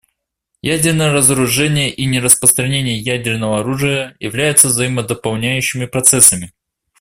Ядерное разоружение и нераспространение ядерного оружия являются взаимодополняющими процессами.